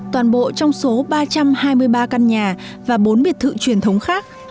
toàn bộ trong số ba trăm hai mươi ba căn nhà và bốn biệt thự truyền thống khác